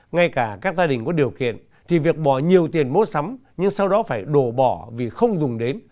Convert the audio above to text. ngay cả các gia đình có điều kiện thì việc bỏ nhiều tiền mua sắm nhưng sau đó phải đổ bỏ vì không dùng đến